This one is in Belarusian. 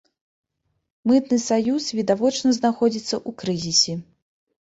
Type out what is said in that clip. Мытны саюз відавочна знаходзіцца ў крызісе.